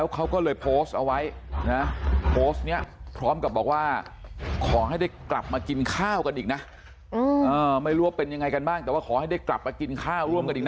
เขาก็โพสต์เอาไว้พร้อมว่าขอให้ได้กลับกินข้าวกันอีกนะ